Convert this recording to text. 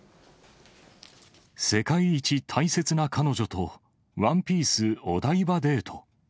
世界一大切な彼女とワンピースお台場デート。